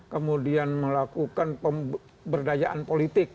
kemudian melakukan pemberdayaan politik